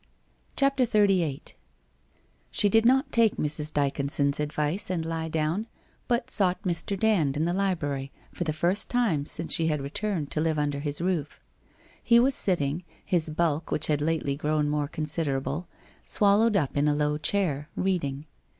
CHAPTER XXXYIII She did not take Mrs. Dvconson's advice and lie down, but sought Mr. Dand in the library for the first time since she had returned to live under his roof. He was sitting, his bulk which had lately grown more considerable, swal lowed up in a low chair, reading.